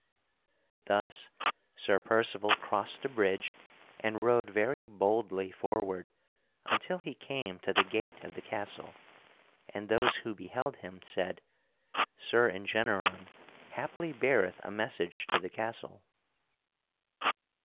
Thus Sir Percival crossed the bridge and rode very boldly forward until he came to the gate of the castle, and those who beheld him said: "Sir Engeneron haply beareth a message to the castle."